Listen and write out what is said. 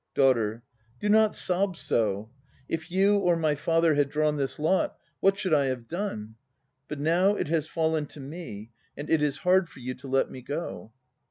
DAUGHTER. Do not sob so! If you or my father had drawn this lot, what should I have done? But now it has fallen to me, and it is hard for you to let me go.